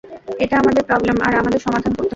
এটা আমাদের প্রবলেম আর আমাদের সমাধান করতে হবে।